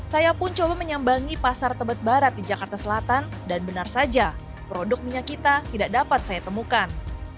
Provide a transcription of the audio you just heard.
saya pun coba menyambangi pasar tebet barat di jakarta selatan dan benar saja produk minyak kita tidak dapat saya temukan